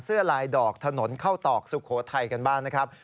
เสื้อลายดอกถนนเข้าตอกสุโขทัยกันบ้างนะครับ